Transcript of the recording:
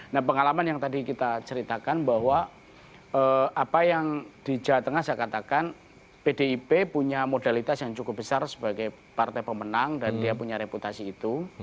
nah pengalaman yang tadi kita ceritakan bahwa apa yang di jawa tengah saya katakan pdip punya modalitas yang cukup besar sebagai partai pemenang dan dia punya reputasi itu